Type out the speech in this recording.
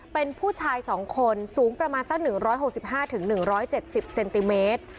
เป็นผู้ชาย๒คนสูงประมาณสัก๑๖๕๑๗๐เซนติเมตร